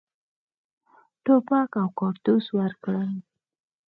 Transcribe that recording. توپک او کارتوس ورکړل.